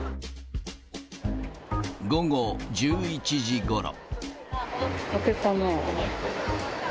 午後１１時ごろ。